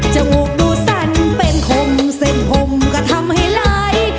จังหูดูสั้นเป็นขมเสดต์ผมก็ทำให้ไลค์